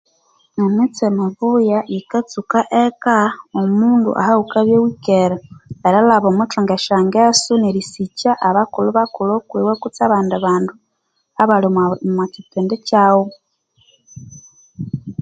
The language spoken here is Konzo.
Emitse mibuya yikatsuka eka omundu ahaghukabya iwikere ,erilhaba omwithunga esyangeso nerisikya abakulhu bakulhu okwiwe kutse abandi bandu abali omukipindi kyaghu